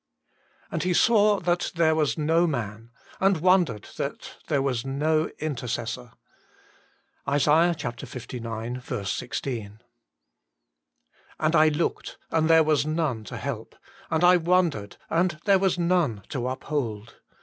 "And He saw that there was no man, and wondered that there was no intercessor." ISA., lix. 16. " And I looked, and there was none to help ; and I wondered, and there was none to uphold.